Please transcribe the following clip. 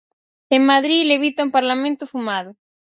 En Madrid levita un parlamento fumado.